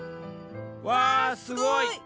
うわすごい！